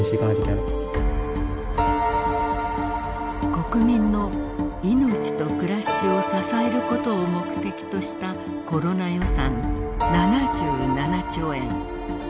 国民の命と暮らしを支えることを目的としたコロナ予算７７兆円。